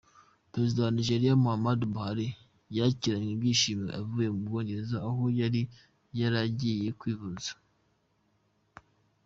Perezida wa Nigeria Muhammadu Buhari yakiranywe ibyishimo avuye mu Bwongereza aho yari yaragiye kwivuza